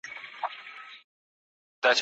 پلونه ورک دي د یارانو غونډه لار په اور کي سوځي.